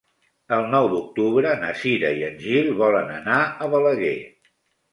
El nou d'octubre na Cira i en Gil volen anar a Balaguer.